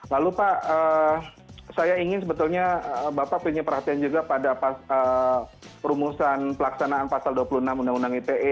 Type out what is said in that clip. lalu pak saya ingin sebetulnya bapak punya perhatian juga pada rumusan pelaksanaan pasal dua puluh enam undang undang ite